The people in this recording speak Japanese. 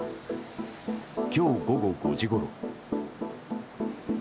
今日午後５時ごろ。